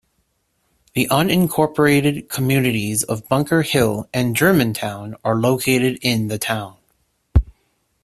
The unincorporated communities of Bunker Hill and Germantown are located in the town.